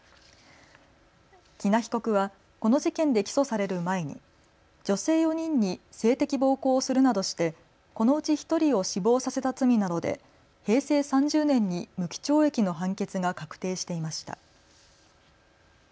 喜納被告はこの事件で起訴される前に女性４人に性的暴行をするなどしてこのうち１人を死亡させた罪などで平成３０年に無期懲役の判決が確定していました。